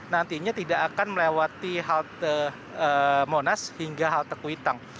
nantinya tidak akan melewati halte monas hingga halte kuitang